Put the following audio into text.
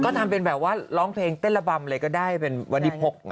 ที่นี่มันเป็นแบบว่าร้องเพลงเต้นระบำอะไรก็ได้เป็นวัดดิพก